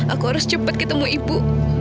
aku harus cepat ketemu ibu